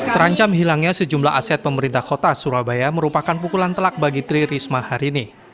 terancam hilangnya sejumlah aset pemerintah kota surabaya merupakan pukulan telak bagi tri risma hari ini